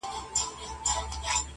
خدای بېشکه مهربان او نګهبان دی!